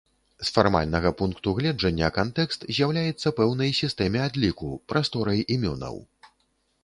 З фармальнага пункту гледжання кантэкст з'яўляецца пэўнай сістэме адліку, прасторай імёнаў.